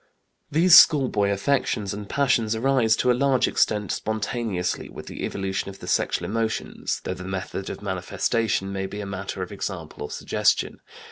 These schoolboy affections and passions arise, to a large extent, spontaneously, with the evolution of the sexual emotions, though the method of manifestation may be a matter of example or suggestion.